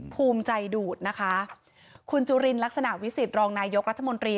ภูมิใจดูดนะคะคุณจุลินลักษณะวิสิตรองนายกรัฐมนตรี